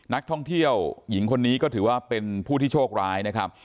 นักท่องเที่ยวหญิงคนนี้ก็ถือว่าเป็นผู้ที่โชคร้ายนะครับ